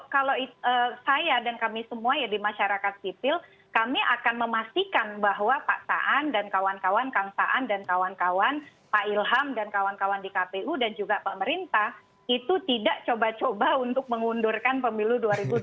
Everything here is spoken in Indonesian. kalau saya dan kami semua ya di masyarakat sipil kami akan memastikan bahwa pak saan dan kawan kawan kang saan dan kawan kawan pak ilham dan kawan kawan di kpu dan juga pemerintah itu tidak coba coba untuk mengundurkan pemilu dua ribu dua puluh